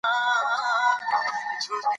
پسرلی د افغانستان د طبیعي زیرمو برخه ده.